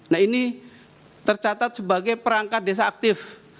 nah ini tercatat sebagai perangkat desa aktif